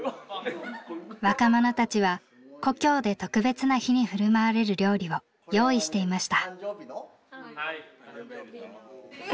若者たちは故郷で特別な日に振る舞われる料理を用意していました。